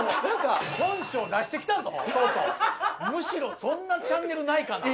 「むしろそんなチャンネルないかな？」。